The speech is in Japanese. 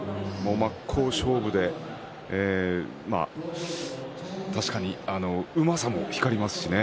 真っ向勝負で確かにうまさも光りますしね。